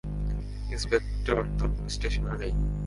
Inspector তো স্টেশনে নেই।